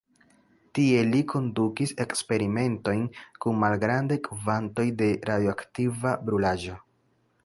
Tie li kondukis eksperimentojn kun malgrandaj kvantoj de radioaktiva brulaĵo.